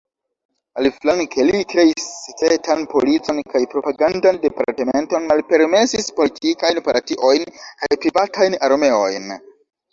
Aliflanke, li kreis sekretan policon kaj propagandan departementon, malpermesis politikajn partiojn kaj privatajn armeojn.